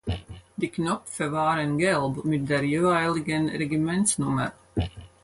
Die Knöpfe waren gelb mit der jeweiligen Regimentsnummer.